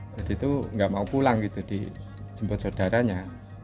jadi itu enggak mau pulang gitu dijemput saudaranya